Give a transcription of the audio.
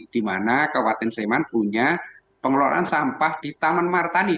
di mana kabupaten sleman punya pengelolaan sampah di taman martani